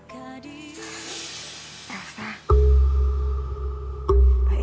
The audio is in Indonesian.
kok pada di lantai